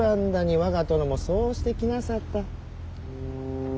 我が殿もそうして来なさった。